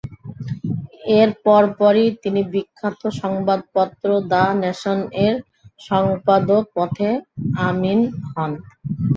এরপর পরই তিনি বিখ্যাত সংবাদপত্র "দ্য নেশন"-এর সম্পাদক পদে আসীন হন।